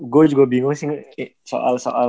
gue juga bingung sih soal soal